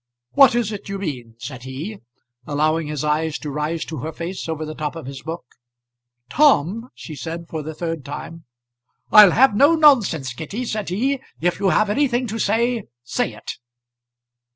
"What is it you mean?" said he, allowing his eyes to rise to her face over the top of his book. "Tom!" she said for the third time. "I'll have no nonsense, Kitty," said he. "If you have anything to say, say it."